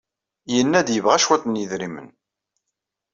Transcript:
Yenna-d yebɣa cwiṭ n yedrimen.